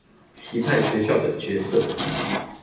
期盼學校的角色